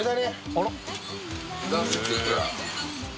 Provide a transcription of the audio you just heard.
あら？┐